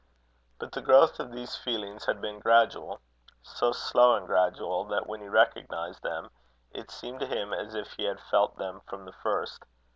But the growth of these feelings had been gradual so slow and gradual, that when he recognized them, it seemed to him as if he had felt them from the first.